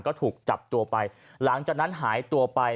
ก็ถูกจับตัวไปหลังจากนั้นหายตัวไป